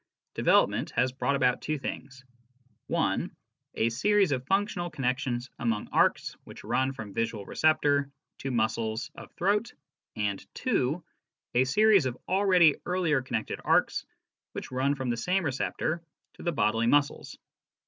development has brought about two things : (1) a series of functional connexions among arcs which run from visual receptor to muscles of throat, and (2) a series of already earlier connected arcs which run from the same receptor to the bodily muscles.